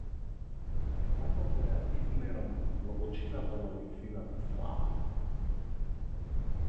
Би сакал да ја измерам длабочината на нејзината слава.